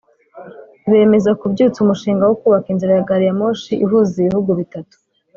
bemeza kubyutsa umushinga wo kubaka inzira ya Gari ya moshi ihuza ibihugu bitatu